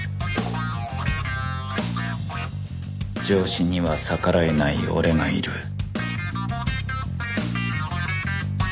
上司には逆らえない俺がいる